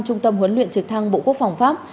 trung tâm huấn luyện trực thăng bộ quốc phòng pháp